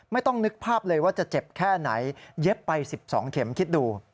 ไม่ต้องนึกภาพเลยว่าจะเจ็บแค่ไหนเย็บไป๑๒เข็มคิดดู